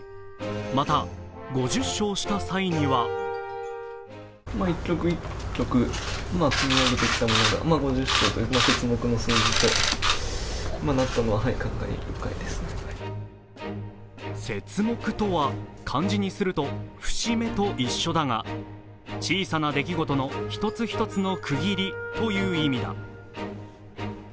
また５０勝した際にはせつもくとは漢字にすると節目と一緒だが小さな出来事の一つ一つの区切りという意味だ。